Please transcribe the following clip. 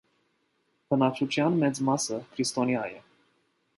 Բնակչության մեծ մասը քրիստոնյա է։